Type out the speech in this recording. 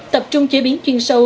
tập trung chế biến chuyên sâu